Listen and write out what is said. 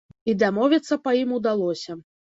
І дамовіцца па ім удалося.